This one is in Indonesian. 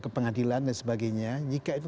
ke pengadilan dan sebagainya jika itu